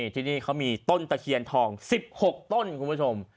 ที่นี่เขามีต้นตะเคียนทอง๑๖ต้นคุณผู้ชม